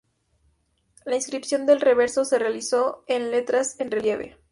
La inscripción del reverso se realizó en letras en relieve.